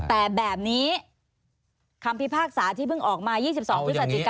แต่แบบนี้คำพิพากษาที่เพิ่งออกมา๒๒พฤศจิกา